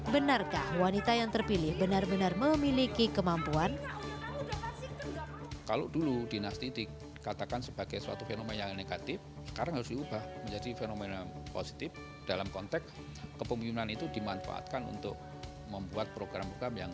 benarkah wanita yang terpilih benar benar memiliki kemampuan